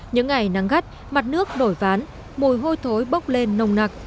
những ngày nắng gắt mặt nước đổi ván mùi hôi thối bốc lên nồng nặc